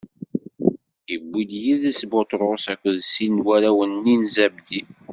Iwwi yid-s Buṭrus akked sin n warraw-nni n Zabdi.